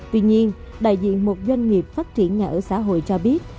tuy nhiên đại diện một doanh nghiệp phát triển nhà ở xã hội cho biết